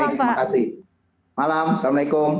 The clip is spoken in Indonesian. terima kasih malam assalamualaikum